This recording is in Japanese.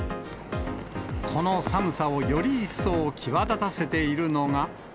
この寒さをより一層際立たせているのが。